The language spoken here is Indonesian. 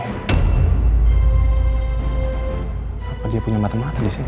apa dia punya mata mata disini